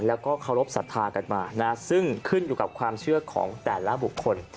แล้วก็เคารพสัทธากันมานะซึ่งขึ้นอยู่กับความเชื่อของแต่ละบุคคล